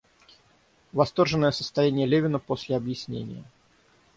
Восторженное состояние Левина после объяснения.